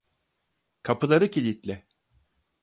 Kapıları kilitle.